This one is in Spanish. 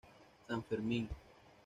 San Fermín.